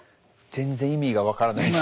全然意味が分からないです。